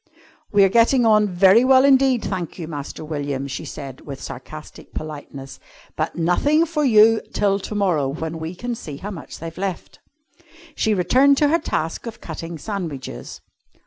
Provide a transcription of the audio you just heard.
"We're getting on very well indeed, thank you, Master William," she said with sarcastic politeness, "but nothing for you till to morrow, when we can see how much they've left." She returned to her task of cutting sandwiches.